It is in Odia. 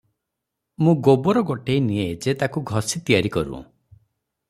ମୁଁ ଗୋବର ଗୋଟେଇ ନିଏ ଯେ ତାକୁ ଘସି ତିଆରି କରୁଁ ।